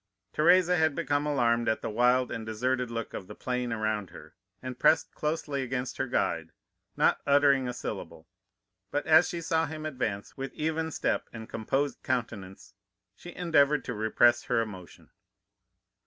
Teresa had become alarmed at the wild and deserted look of the plain around her, and pressed closely against her guide, not uttering a syllable; but as she saw him advance with even step and composed countenance, she endeavored to repress her emotion.